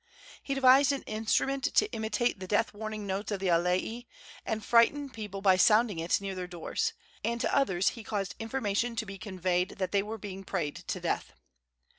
He devised an instrument to imitate the death warning notes of the alae, and frightened people by sounding it near their doors; and to others he caused information to be conveyed that they were being prayed to death.